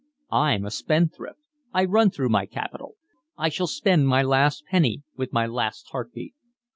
I'm a spendthrift, I run through my capital. I shall spend my last penny with my last heartbeat."